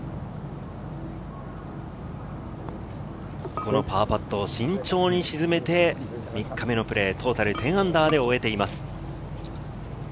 このパーパットを慎重に沈めて３日目のプレー、トータル−１０で終えています。